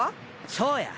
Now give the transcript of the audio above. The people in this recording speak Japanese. そうや。